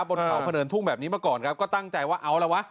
บนเขาเผินทุ่งแบบนี้มาก่อนครับก็ตั้งใจว่าเอาละวะ